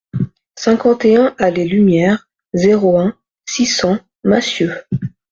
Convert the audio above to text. cinquante et un allée Lumière, zéro un, six cents Massieux